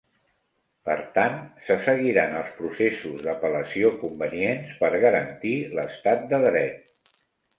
Per tant, se seguiran els processos d'apel·lació convenients per garantir l'estat de dret.